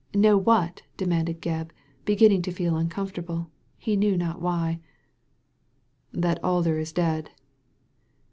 "Know what?" demanded Gebb, beginning to feel uncomfortable ; he knew not why. That Alder is dead."